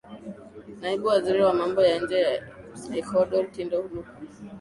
naibu waziri wa mambo ya nje wa ecuador kindo luka